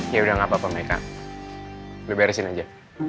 ya udah gapapa meika lo beresin aja